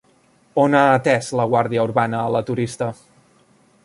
On ha atès la Guàrdia Urbana a la turista?